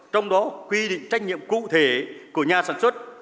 trong đó quy định trách nhiệm cụ thể của nhà sản xuất